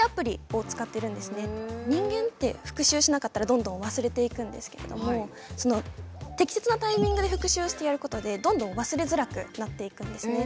人間って復習しなかったらどんどん忘れていくんですけれども適切なタイミングで復習してやることでどんどん忘れづらくなっていくんですね。